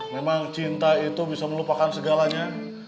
memang cinta itu bisa melupakan segalanya